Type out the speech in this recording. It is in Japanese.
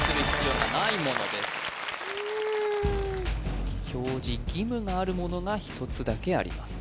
うん表示義務があるものが一つだけあります